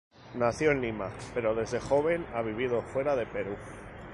Nació en Lima pero desde joven ha vivido fuera de Perú.